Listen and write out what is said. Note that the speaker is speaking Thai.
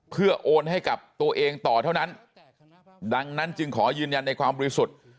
เพื่อโอนให้กับตัวเองต่อเท่านั้นดังนั้นจึงขอยืนยันในความบริสุทธิ์